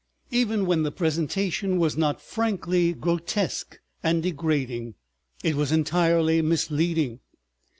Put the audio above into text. Even when the presentation was not frankly grotesque and degrading it was entirely misleading.